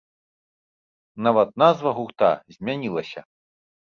Нават назва гурта змянілася!